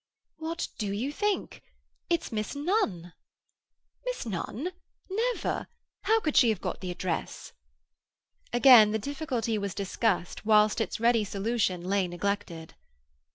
"What do you think? It's Miss Nunn!" "Miss Nunn! Never! How could she have got the address?" Again the difficulty was discussed whilst its ready solution lay neglected.